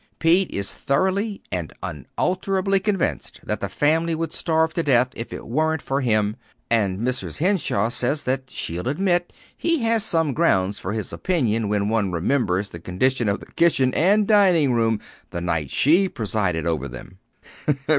Pete is thoroughly and unalterably convinced that the family would starve to death if it weren't for him; and Mrs. Henshaw says that she'll admit he has some grounds for his opinion when one remembers the condition of the kitchen and dining room the night she presided over them."